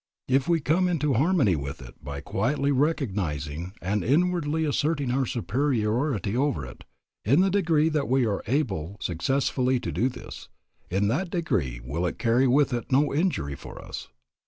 If we come into harmony with it by quietly recognizing and inwardly asserting our superiority over it, in the degree that we are able successfully to do this, in that degree will it carry with it no injury for us.